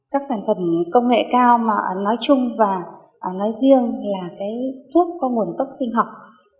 các sản phẩm công nghệ cao nói chung và nói riêng là thuốc có nguồn tốc sinh học